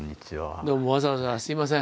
どうもわざわざすいません。